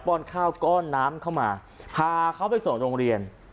้อนข้าวก้อนน้ำเข้ามาพาเขาไปส่งโรงเรียน